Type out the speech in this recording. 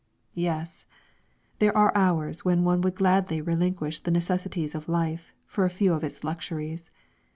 Yes! There are hours when one would gladly relinquish the necessities of life for a few of its luxuries.